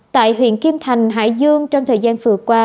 tại huyện kim thành hải dương trong thời gian vừa qua